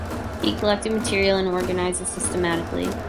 He collected material and organised it systematically.